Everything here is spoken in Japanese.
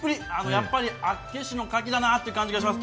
やっぱり厚岸の牡蠣だなという感じがします。